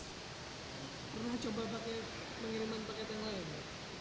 pernah coba pakai pengiriman paket yang lain